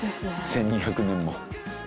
１２００年も。